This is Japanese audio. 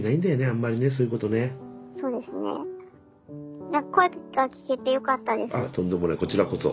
あっとんでもないこちらこそ。